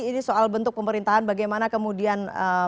ini soal bentuk pemerintahan bagaimana kemudian